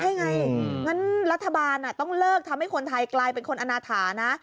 ใช่ไงงั้นรัฐบาลต้องเลิกทำให้คนไทยกลายเป็นคนอนาถานะ